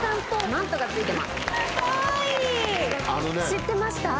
知ってました？